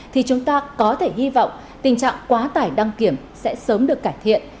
thì chúng ta có thể hy vọng tình trạng quá tải đăng kiểm sẽ sớm được cải thiện